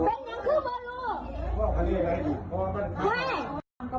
ถ้านั้นเป็นแบบนี้น่ะมันไม่ใช่เลยมันไม่ย้อนพอผีในเจ้าสาวหมดเลย